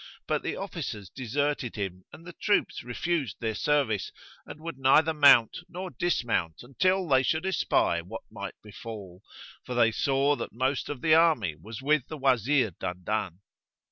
But the officers deserted him and the troops refused their service and would neither mount nor dismount until they should espy what might befal, for they saw that most of the army was with the Wazir Dandan.